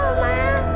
nggak mau ma